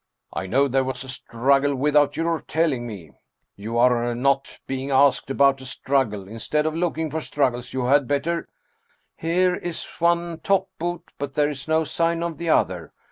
" I know there was a struggle, without your telling me ! You are not being asked about a struggle. Instead of looking for struggles, you had better "" Here is one top boot, but there is no sign of the other."